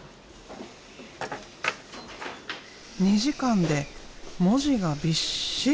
２時間で文字がびっしり。